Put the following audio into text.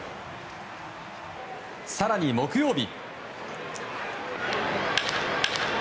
更に、木曜日。